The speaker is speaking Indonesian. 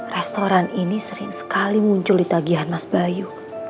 restoran ini sering sekali muncul di tagihan nas bayu